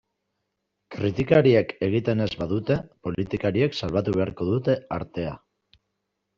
Kritikariek egiten ez badute, politikariek salbatu beharko dute artea.